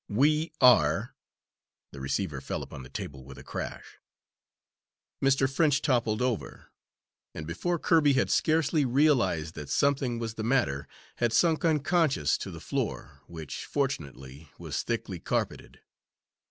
We are " The receiver fell upon the table with a crash. Mr. French toppled over, and before Kirby had scarcely realised that something was the matter, had sunk unconscious to the floor, which, fortunately, was thickly carpeted.